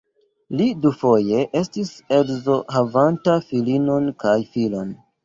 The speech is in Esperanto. Li dufoje estis edzo havanta filinon kaj filon.